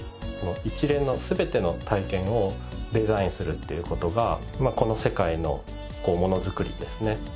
一連の全ての体験をデザインするっていう事がこの世界のもの作りですね。